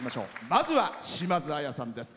まずは島津亜矢さんです。